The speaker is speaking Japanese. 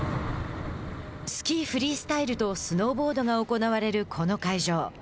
スキーフリースタイルとスノーボードが行われるこの会場。